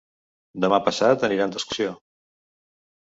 Demà passat aniran d'excursió.